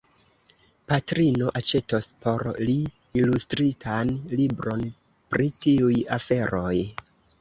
Patrino aĉetos por li ilustritan libron pri tiuj aferoj.